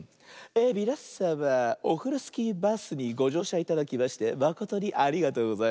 みなさまオフロスキーバスにごじょうしゃいただきましてまことにありがとうございます。